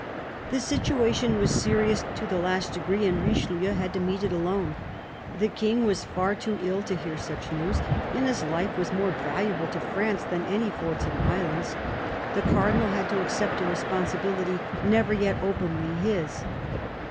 The situation was serious to the last degree, and Richelieu had to meet it alone. The King was far too ill to hear such news, and his life was more valuable to France than any forts and islands : the Cardinal had to accept a responsibility never yet openly his.